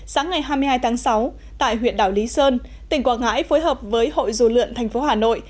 sáng ngày hai mươi hai tháng sáu tại huyện đảo lý sơn tỉnh quảng ngãi phối hợp với hội du lượn tp hà nội